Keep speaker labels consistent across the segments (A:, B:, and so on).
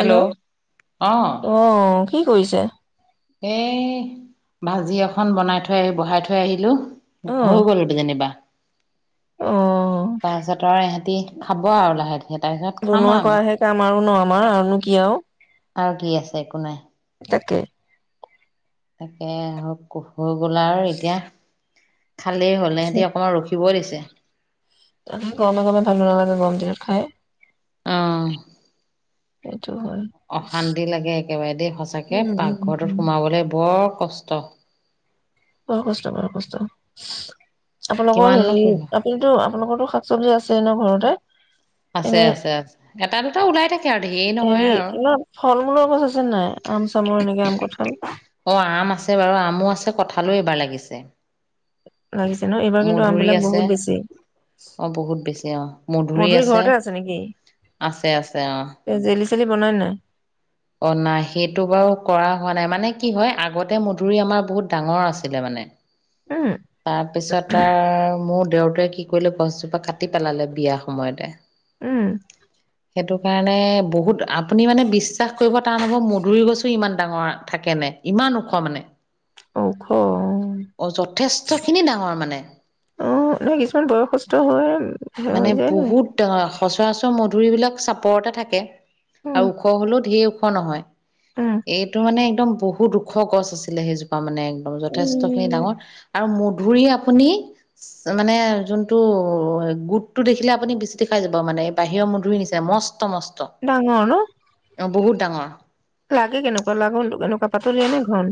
A: Hello,
B: অ
A: অহ ', কি কৰিছে?
B: এই ভাজি এখন বনাই- থৈ, আহি বহাই- থৈ আহিলোঁ।
A: অ
B: হৈ গ'লে কিযেনিবা
A: অ
B: তাৰছত আৰু এ', ৰাতি খাব আৰু লাহে-ধিৰে
A: বনোৱা কৰাহে কাম আৰু ন', আমাৰ, আৰুনো কি আৰু?
B: আৰু কি আছে একো নাই।
A: তাকে,
B: তাকে আৰু হৈ গল আৰু এতিয়া। খালেই হ'লে, সহঁতি অকণমান ৰখিব, শুবই লৈছে।
A: [unintelligible]
B: আহ',
A: হয়',
B: অশান্তি লাগে একেবাৰে দেই সঁচাকে
A: উম উম উম উম
B: পাকঘৰটোত সোমাবলে বৰ, কষ্ট,
A: বৰ কষ্ট- বৰ কষ্ট আপোনালোকৰ
B: কিমাননো
A: হেৰি',
B: কৰিবা
A: আপুনিতো, আপোনালোকৰতো চব্জি আছে ন', ঘৰতে? এনে
B: আছে-আছে-আছে, এটা দুটা ওলাই থাকে আৰু ধেৰ নহয়
A: হেৰি
B: আৰু
A: কিবা ফল মূলৰ গছ আছে নাই আম চামৰ এনেকে আম কঠাল
B: অ', আম আছে বাৰু আমো আছে কঁঠালো বা ', লাগিছে।
A: লাগিছে ন', এইবাৰ কিন্তু
B: মধুৰি
A: আমবিলাক
B: আছে
A: বহুত বেছি।
B: অ বহুত বেছি অ
A: মধুৰি ঘৰতে আছে নেকি?
B: আছে আছে অ
A: জে জেলী বনাই নাই?
B: অ নাই সেইটো বাৰু কৰা হোৱা নাই মানে কি হয় আগতে, মধুৰি আমাৰ বহুত ডাঙৰ আছিলে মানে,
A: উম
B: তাৰপিছত আৰ মোৰ, [unintelligible] জোপা কাটি পেলালে বিয়াৰ সময়তে।
A: উম
B: সেইটো কাৰণে বহুত আপুনি মানে বিশ বিশ্বাস কৰিব টান হ'ব মধুৰি গছো ইমান ডাঙৰ থাকে নে ইমান ওখ মানে
A: ঔখ
B: অ যথেষ্টখিনি ডাঙৰ মানে
A: আহ কিছুমান বয়সস্থ হৈ
B: মানে
A: হৈ যায় ন
B: বহুত সচৰাচৰ মধুৰিবলাক চাপৰতে থাকে
A: উম,
B: আৰু ওখ হ'লও ধেৰ ওখ নহয়
A: উম।
B: এইটো মানে একদম বহুত ওখ গছ আছিলে সেইজোপা মানে যথেষ্ট খিনি
A: উম,
B: ডাঙৰ আৰু ম ঘুৰি আপুনি মানে যোনটো- গোটটো দেখিলে আপুনি বিচুতি খাই যাব মানে এই বাহিৰৰ মধুৰি নিচিনা মষ্ট- মস্ত মস্ত,
A: ডাঙৰ ন
B: অ বহুত- ডাঙৰ।
A: লাগে কেনেকুৱা লাগ কেনেকুৱা পাতলিয়া নে ঘন?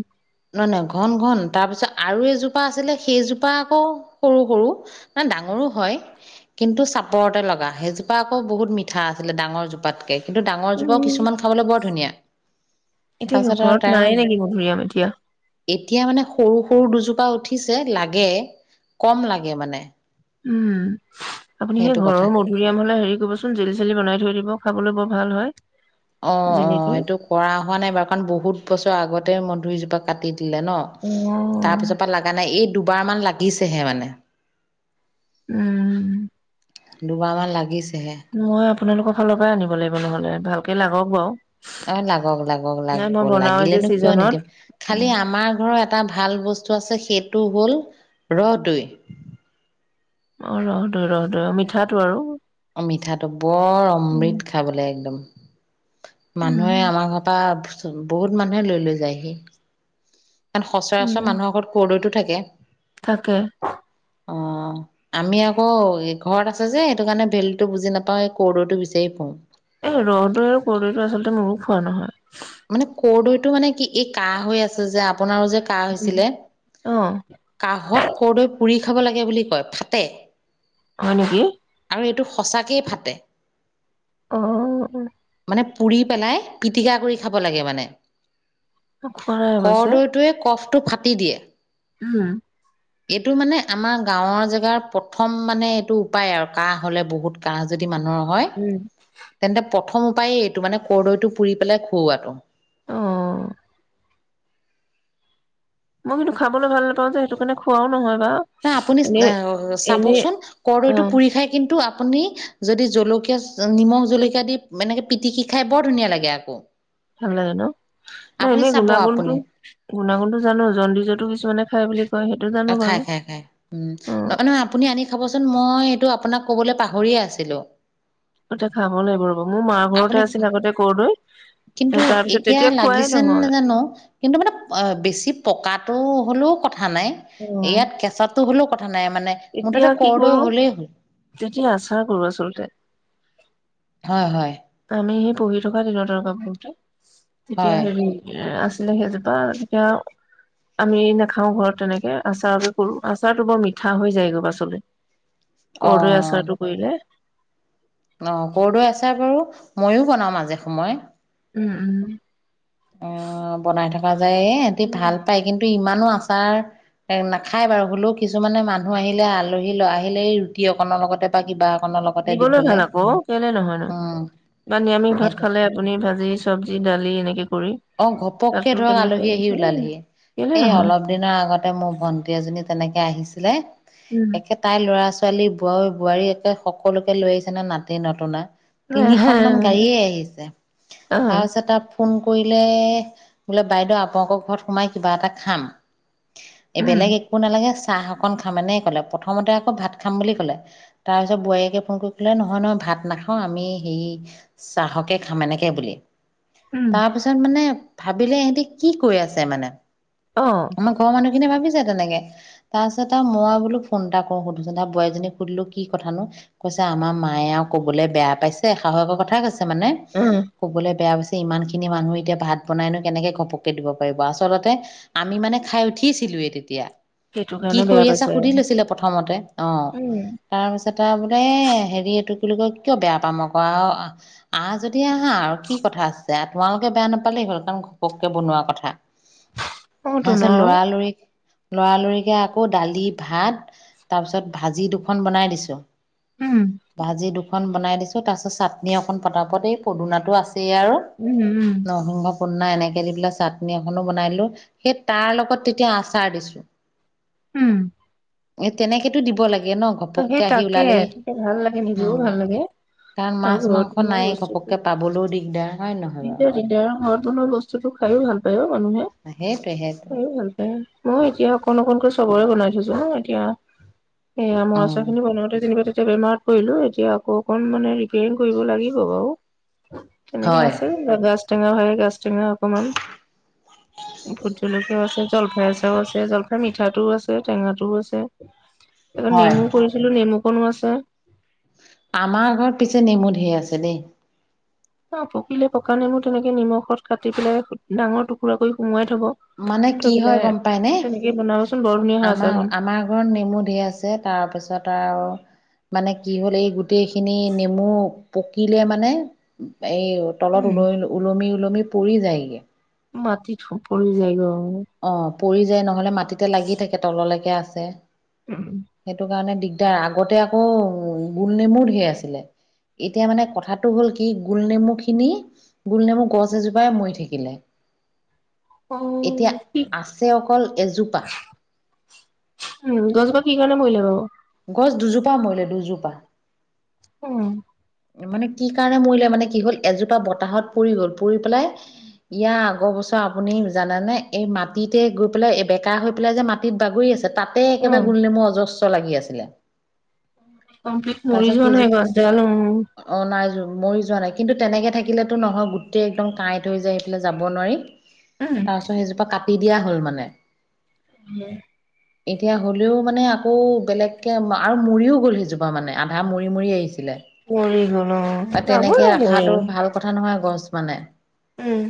B: নহয় নহয়, ঘন ঘন তাৰ পিছত আৰু এইজোপা আছিলে সেইজোপা আকৌ সৰু সৰু মানে ডাঙৰো হয়, কিন্তু চাপৰতে লগা সেইজোপা আকৌ বহুত মিঠা আছিলে ডাঙৰ জোপাতকে। কিন্তু ডাঙৰ জোপাও
A: উম,
B: কিছুমান খাবলৈ বৰ ধুনীয়া,
A: এতিয়া কি
B: তাৰপিছতে আৰু
A: ঘৰত নায়ে নেকি মধুৰিআম এতিয়া?
B: তাৰ- এতিয়া মানে সৰু সৰু দুজোপা উঠিছে লাগে, কম লাগে মানে।
A: উম। আপুনি সেই
B: সেইটো
A: ঘৰৰ
B: কথা
A: মধুৰিআম হলে হেৰি কৰিবচোন জেলি চেলি বনাই থৈ দিব খাবলৈ বৰ- ভাল হয়।
B: অ, অ
A: জেলিটো
B: সেইটো কৰা হোৱা নাই বাৰু কাৰণ বহুত বছৰ আগতে মধুৰি জোপা- কাটি। দিলে ন, তাৰ
A: অ',
B: পিছৰ পৰা লগা নাই এই- দুবাৰ‌ মান লাগিছেহে মানে।
A: উম
B: দুবাৰমান লাগিছ-
A: মই আপোনালোকক- ফালৰ পৰা আনিব লাগিব নহলে ভালকে লাগক বাৰু
B: অ লাগক, লাগক, লাগ
A: নাই মই বনাওৱে যে
B: লাগিলেনো কিয়
A: ছিজনত
B: নিদিম, খালি আমাৰ ঘৰৰ এটা ভাল বস্তু আছে সেই- টো হ'ল ৰহদৈ।
A: অ ৰহদৈ, ৰহদৈ অ মিঠাটো আৰু।
B: অ মিঠাটো বৰ
A: উম,
B: অমৃত খাই বোলে একদম।
A: উম,
B: মানুহে আমাৰ ঘৰৰ পৰা- বহুত মানুহে লৈ লৈ যায়হি। কাৰণ সচৰাচৰ মানুহৰ ঘৰত কৰ্দইটো - থাকে।
A: থাকে।
B: অ, আমি আকৌ ঘৰত আছে যে সেইটো কাৰণে ভেলোটো বুজি নাপাওঁ এই কৰ্দৈটো বিচাৰি ফুৰোঁ।
A: এ ৰহদৈ আৰু কৰদৈটো আচলতে মোৰো খোৱা নহয়।
B: মানে কৰ্দৈটো মানে কি? এই কাহ হৈ আছে যে আপোনাৰো যে কাহ হৈছিলে,
A: অ',
B: কাহত কৰদৈ পুৰি- খাব লাগে বুলি কয়, ফাটে।
A: হয় নেকি।
B: সেইটো সঁচাকে ফাঁটে।
A: অ।
B: নে পুৰি পেলাই, পিটিকা কৰি- খাব লাগে মানে।
A: খোৱা নাই অৱশ্যে।
B: কৰদৈটোয়ে কফ, টো ফাটি দিয়ে।
A: উম।
B: এইটো মানে আমাৰ গাঁৱৰ জেগাৰ প্ৰথম মানে এইটো উপায় আৰু কাঁহ হলে বহুত কাঁহ যদি মানুহ, ন হয় তেন্তে প, প্ৰথম উপায়ে এইটো মানে কৰদৈটো পুৰি পেলাই, পৱাটো
A: অঁ। মই কিন্তু খাবলৈ ভাল নাপাও যে সেইটো কাৰণে খোৱাও নহয়। বাৰু।
B: না আপুনি
A: এনেই এনেই
B: চাবচোন কৰদৈটো
A: অ',
B: পুৰি খাই কিন্তু, আপুনি যদি জলকীয়া নিমখ জলকীয়া দি এনেকে পিটিকি খাই বৰ ধুনীয়া লাগে আকৌ,
A: ভাল লাগে ন, নাই
B: আপুনি
A: এনে
B: চাব
A: গুণাগুণ টো
B: আপুনি
A: গুণাগুণ টো জানো জণ্ডিজটো কিছুমানে খাই বুলি, কয় সেইটো জানো
B: অ খাই
A: বাৰু।
B: খাই খাই উম
A: অ',
B: নহয় নহয় আপুনি আনি খাবচোন মই এইটো আপোনাক। ক'বলে পাহৰিয়ে আছিলো।
A: খাব লাগিব ৰ'ব মোৰ মাৰ ঘৰতে
B: আপুনি
A: আছিল আগতে কৰদৈ
B: কিন্তু
A: তাৰ পিছত
B: এতিয়া
A: তেতিয়া খোৱাই
B: লাগিছে
A: নহয়।
B: নাজানো উ হ'লেও কথা নাই,
A: অ',
B: ইয়াত কেঁচাটো হ'লেও কথা নাই, মানে মুঠতে
A: এতিয়া কি
B: কৰদৈ
A: কৰো
B: হলেই হ'ল
A: তেতিয়া আচাৰ কৰো আচলতে।
B: হয় হয়।
A: আমি সেই পঢ়ি থকা তিনিশ টকা বতে, তেতিয়া
B: হয়
A: হেৰি আছে আছিলে সেইজোপা তেতিয়া আমি নাখাও ঘৰত তেনেকে আচাৰে কৰো আচাৰতটো বৰ মিঠা হৈ যায় গৈ পাছলৈ। কৰদৈ
B: অ',
A: আচাৰটো কৰিলে।
B: অ কৰদৈ আছাৰ বাৰু মইয়ো বনাও মাজে সময়।
A: উম উম।
B: অ বনাই থকা যায় এ হেটি ভাল
A: উম
B: পাই কিন্তু ইমানো আ, আচাৰ এ নাখায় বাৰু হ'লেও কিছুমানে মানুহ আহিলে আলহী আহিলে এই ৰুটি অকনৰ লগতে বা কিবা, অকনৰ লগতে
A: দিবলৈ
B: দিবলে
A: ভাল আকৌ কেলে নহয় ন
B: উম,
A: ইমান নিৰামিষ ভাত
B: সেইটো
A: খালে আপুনি ভাজি চব্জি দালি এনেকে কৰি,
B: অ ঘপককে
A: তাতো
B: ধৰক
A: তুমি
B: আলহী আহি
A: উম
B: ওলালহি
A: কেলে
B: এই
A: নহয়
B: অলপ দিনৰ আগতে মোৰ ভন্টি এজনী, তেনেকে আহিছিলে,
A: উম
B: একে তাইৰ ল'ৰা, ছোৱালী বোৱাৰী বোৱাৰী একে সকলোকে লৈ আহিছে নে নাতি নতুনা, তিনিখনমান গাড়ীয়ে আহিছে
A: অ উম
B: তাৰপিছত তাৰ, অ [unintelligible] কৰিলে বোলে বাইদেউ আপোনালোকৰ ঘৰত সোমাই কিবা এটা খাম। এই বেলেগ একো নালাগে আ চাহ অকন খামেনে কলে প্ৰথমতে আকৌ ভাত খাম বুলি কলে তাৰপিছত বোৱাৰীয়েকে ফোন কৰি কলে নহয় নহয় ভাত নাখাওঁ আমি হে চাহকে খাম এনেকে বুলি।
A: উম
B: তাৰ পিছত মানে ভাবিলে সহঁতি কি কৈ আছে মানে।
A: অ
B: আমাৰ ঘৰৰ মানুহখিনি ভাবিছো তেনেকে তাৰ পিছত আৰু মই বোলো ফোন এটা কৰো সুধোচোন আৰু বোৱাৰীজনীক সুধিলো কি কথানো কৈছে আমাৰ মায়ে আৰু কবলৈ বেয়া পাইছে হাহুৰকৰ কথা কৈছে। মানে
A: উম
B: কবলৈ বেয়া হৈছে সিমান খিনি খিনি মানুহ এতিয়া ভাত বনাইনো কেনেকে ঘপককে দিব পাৰিব ।আচলতে আমি মানে খাই উঠিছিলোয়ে তেতিয়া।
A: সেইটো
B: কি
A: কাৰণে
B: কৰি
A: বেয়া
B: আছা
A: পাইছে
B: সুধি লৈছিলে প্ৰথমতে অ
A: উম
B: তাৰপিছত টা বোলে হেৰি এইটো কি বুলি ক কিয় বেয়া পাম আকৌ অ আ যদি। দিয়া হা আৰু কি কথা আছে ইাত তোমালোকে বেয়া নাপালে হ'ল কাৰণ ঘককে বনোৱা কথা।
A: অ তোন
B: তাৰপিছত লৰালৰিক লৰালৰিকে আকৌ দালি ভাত তাৰপিছত ভাজি দুখন বনাই দিছো ।
A: উম
B: ভাজি দুপৰিয়া এখন বনাই দিছো ।তাৰ পিছত চাটনি একখন পতাপট এই পদুনা টো আছে সয় আৰু
A: উম উম
B: নহয় কনা এনেকে দি পেলাই চাটনি এখনো বনাই লো সেই তাৰ লগত তেতিয়া আচাৰ দিছো।
A: উম
B: তেনেকেতো দিব লাগে। লাগে ন
A: অ সেই
B: ঘপককে আহি
A: তাকে
B: ওলালেই
A: তেতিয়া ভাল লাগে
B: উ
A: নিজেও ভাল লাগে
B: কাৰণ
A: আৰু
B: মাছ
A: ঘৰত
B: মাংস
A: বনোৱা
B: নায়ে
A: বস্তুটো
B: ঘপককে পাবলৈও দিগদাৰ হয় নহয় বাৰু।
A: এতিয়া ঘৰত বনোৱা বস্তুুতো খাইো ভাল পায় অ। মানুহে
B: সেইটোৱে সেইটোৱে
A: ভাল পায় মই এতিয়া অকণ অকণকৈ চবৰে বনাই। [unintelligible] ো ন এতিয়া স
B: উম
A: পাছৰ খিনি বনাওতে যেনিবা এতিয়া বেমাৰত পৰিলো এতিয়া আকৌ অকণ মানে ৰিপিয়াৰিং কৰিব লাগিব বাৰু। তেনেকে
B: হয়
A: আছিল লগাই। া টেঙা হয় গাছ টেঙা অকমান ভুট জলকীয়াও আছে জলফাই এচাৰও আছে জলফাই মিঠাটোও আছে টেঙাটোও আছে। আকৌ
B: হয়।
A: নেমু কনো আছে।
B: আমাৰ ঘৰত পিছে নেমু ধেৰ আছে দেই।
A: অ পকিলে পকা নেনুটো তেনেকে নিমখত কাটি পেলাই ডাঙৰ টুকুৰা কৰি সোমোৱাই। থব
B: মানে
A: থৈ
B: কি হয়
A: পেলাই
B: গম পাইনে,
A: তেনেকে বনাবচোন বৰ ধুনীয়া হয়
B: আমাৰ
A: আচাৰকণ
B: আমাৰ ঘৰত নেমু ধেৰ আছে তাৰপিছত আৰু- মানে কি হ'ল এই- গোটেইখিনি নেমু- পকিলে মানে- এই তলত ওল ওলমি- উলমি পৰি যায়গে।
A: মাটিত পৰি যায়গে অ।
B: অ। পৰি যায় নহলে মাটিতে লাগি থাকে তললৈকে আছে। সেইটো কাৰণে দি- এতিয়া আগতে আকৌ গোল নেমু ঢেৰ আছিলে, এতিয়া মানে কথাটো হ'ল কি গোল নেমুখিনি গোলনেমু গছ এজোপাই মৰি থাকিলে।
A: উম।
B: এতিয়া আছে অকল এজোপা
A: উম, গছজোপা কি কাৰণে মৰিলে? অ।
B: গছ দুজোপা মৰিলে দুজোপা।
A: উম ।
B: মানে কি কাৰণে মৰিলে মানে কি হ'ল এজোপা বতাহত পৰি গল, পৰি পেলাই ইয়াৰ আগৰ বছৰ আপুনি জানেনে, এই মাটিতে গৈ পেলাই বেকা হৈ পেলাই যে মাটিত বাগৰি আছে। তাতে
A: অ
B: একেবাৰে গোল নেমু অজস্ব- লাগি আছিলে।
A: কমপ্লিট মৰি
B: তাৰপিছত
A: যোৱা নাই
B: সেইজোপা
A: গছ ডাল-
B: অ নাই যোৰ- মৰি যোৱা নাই কিন্তু তেনেকে থাকিলেতো নহয় গোটেই একদম কাঁইত হৈ যায় সেইফালে যাব নোৱাৰি। তাৰপিছত সেইজোপা কাট- দি দিয়া হ'ল মানে।
A: উম।
B: এতিয়া হলেও মানে আকৌ বেলেগকে আৰু মৰিও গ'ল সেইজোপা মানে আধা মৰি মৰি আহিছিলে।
A: মৰি গল অ, যাবই
B: তেনেকে
A: ন মৰি
B: ৰখাটো ভাল
A: ।
B: কথা নহয় গছ মানে।
A: উম।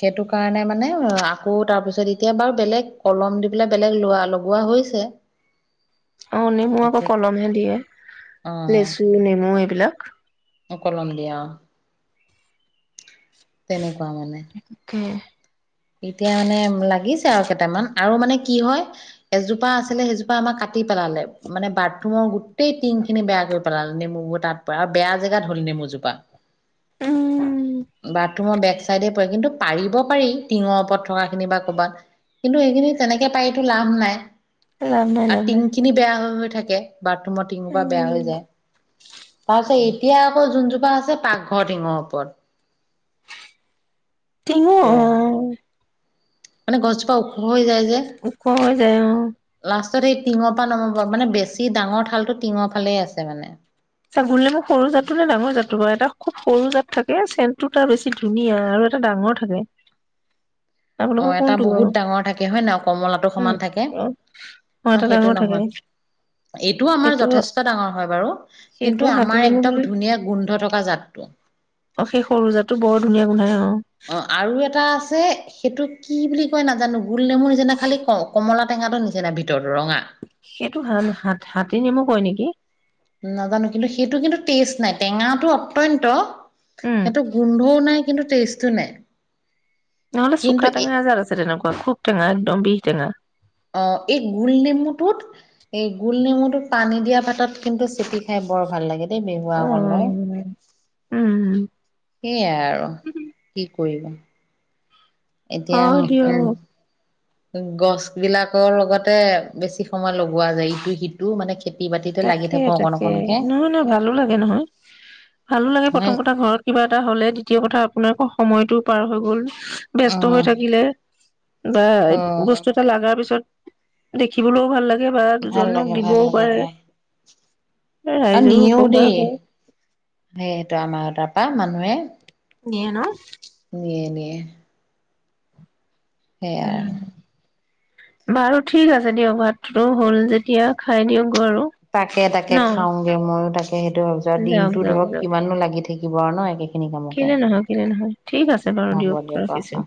B: সেইটো কাৰণে মানে আকৌ তাৰপিছত এতিয়া বাৰু বেলেগ কলম দি পেলাই বেলেগ লোৱা লগোৱা হৈছে।
A: অ নিমু আকৌ
B: এতিয়া
A: কলমহে দিয়ে। লেচু, নেমু- এইবিলাক-
B: কলম দিয়ে অ। তেনেকুৱা মানে। এতিয়া মানে লাগিছে আৰু কেইটামান আৰু মানে কি হয়, এজোপা আছিলে সেইজোপা আমাক কাটি পেলালে, মানে বাথৰুমৰ গোটেই টিং খিনি বেয়া কৰি পেলালে, নেমুবোৰ তাৰ পৰা আৰু বেয়া জেগাত হ'ল নেমু জোপা।
A: উম
B: বাথৰুমৰ বেক বেক চাইডে পৰে কিন্তু পাৰিব পাৰি। টিঙৰ ওপৰত থকা খিনি বা ক'ৰবাত কিন্তু এইখিনি তেনেকে পাৰি টো লাভ নাই।
A: লাভ নাই লাভ
B: আৰু
A: নাই
B: টিংখিনি বেয়া হৈ-হৈ থাকে। [unintelligible] বাথৰুমত টিঙহোপা বেয়া হৈ
A: উম
B: যায়। ছে এতিয়া আকৌ যোনজোপা আছে পাকঘৰ টিঙৰ ওপৰত।
A: টিঙো
B: পৰে মানে।
A: অ
B: মানে গছজোপা ওখ হৈ যায় যে।
A: উখ হৈ যায় অ।
B: [unintelligible] টিঙৰ পৰা নমাব মানে বেছি সি ডাঙৰ ঠালটো টিঙৰ ফালে আছে মানে।
A: ছা গোলনেমু সৰু জাতটো নে ডাঙৰ জাতৰ বাৰু? এটা খুব সৰু জাত থাকে চেণ্টটো তাৰ বেছি ধুনীয়া আৰু এটা ডাঙৰ থাকে।
B: অ
A: আপোনালোকৰ
B: এটা
A: কোনটো বাৰু
B: বহুত ডাঙৰ থাকে হয়ে নাই, কমলাতো
A: উম
B: সমান থাকে?
A: অ অ
B: ন
A: এটা
B: সেইটো
A: ডাঙৰ থাকে
B: নহয়। এইটো আমাৰ
A: সেইটো
B: যথেষ্ট ডাঙৰ হয় বাৰু। কিন্তু
A: সেইটো হাতী
B: আমাৰ
A: নেমু
B: একদম
A: বুলি।
B: ধুনীয়া গোন্ধ থকা জাতটো।
A: অ' সেই সৰু যাতটো বৰ ধুনীয়া গোন্ধাই। অ
B: অ আৰু এটা আছে সেইটো কি বুলি কয় নাজানো গোল নেমুৰ নিচিনা খালি ক কমলা টেঙা নিচিনা ভিতৰত ৰঙা।
A: সেইটো হ হাত হাতী নেমু কয় নেকি?
B: নাজানো কিন্তু সেইটো কিন্তু টেষ্ট নাই টেঙাটো অত্যন্ত
A: উম
B: সেইটো গোন্ধও নাই। কিন্তু টেষ্টটো নাই।
A: নহলে
B: কিন্তু
A: চুোকা
B: এ
A: টেঙা আজাৰ আছে, তেনেকুৱা খুব টেঙা একদম বিষ টেঙা।
B: অ এই গোল নেমুটোত, এই গোল নেমুটোত পানী দিয়া পাতত কিন্তু ুটি খাই বৰ ভাল লাগে দেই বিেহুৱা
A: অ
B: অকণৈ।
A: উম
B: সেইাই আৰু কি কৰিব? এতিয়া
A: হয় দিয়ক
B: গছ বিলাকৰ লগতে বেছি সময় লগোৱা যায় ইটো সিটো মানে খেতি বাতিতে লাগি থাকো অকণ
A: তাকে-তাকে।
B: অকণকে
A: নহয়-নহয় ভালো লাগে নহয়, ভালো লাগে
B: হয়
A: প্ৰথম কথা ঘৰত কিবা এটা হলে দ্বিতীয় কথা আপোনাৰোকৰ সময়তটো পাৰ হৈ গ'ল। বস্ত হৈ
B: উম
A: থাকিলে বা
B: উম
A: বস্তু এটা লগাৰ পিছত দেখিবলৈও ভাল লাগে। বাা
B: ভাল
A: দুজনক
B: লাগে ভাল
A: দিবও
B: লাগে
A: পাৰে।
B: খাই আৰু
A: ৰাইজৰো
B: নিএও
A: উপকাৰ
B: দেই।
A: হয়।
B: সেইেতো আমাৰ ত তাপা মানুহে
A: নিয়ে ন?
B: নিয়ে-নিয়ে। সেয়া
A: বাৰু ঠিক আছে দিয়ক। ভাতটো হ'ল যেতিয়া খাই দিয়ক
B: তাকে-তাকে খাওঁগে ময়ো তাকে সেইটো ভাবিছো আৰু
A: যাওক
B: দিনটো
A: যাওক
B: ধৰক
A: যাওক
B: কিমানো লাগি থাকে? থাকিব আৰু ন? একে
A: কেলে নহয়-কেলে নহয়, ঠিক আছে বাৰু
B: হ'ব
A: দিয়ক
B: অ অ
A: ৰাখিছো।